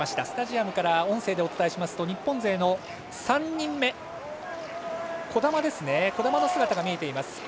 スタジアムから音声でお伝えしますと日本勢の３人目児玉の姿が見えています。